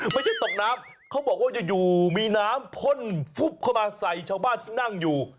ไม่ใช่ตกน้ำเขาบอกว่าอยู่มีน้ำพ่นฟุบเข้ามาใส่ชาวบ้านที่นั่งอยู่